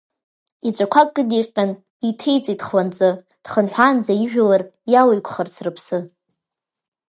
Еҵәақәак кыдиҟьҟьан, иҭеиҵеит хланҵы, дхынҳәаанӡа ижәлар иалеиқәхарц рыԥсы!